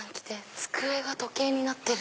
机が時計になってる。